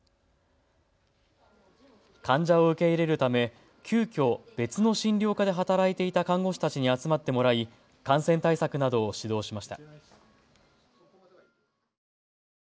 患者を受け入れるため急きょ別の診療科で働いていた看護師たちに集まってもらい感染対策などを指導しました。